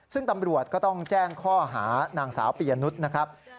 ซึ่งตำรวจก็ต้องแจ้งข้อหานางสาวปียนุษย์นะครับ